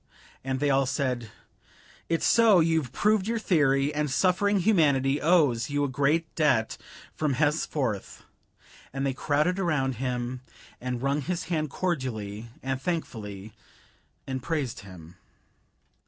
And they all said: "It's so you've proved your theory, and suffering humanity owes you a great debt from henceforth," and they crowded around him, and wrung his hand cordially and thankfully, and praised him.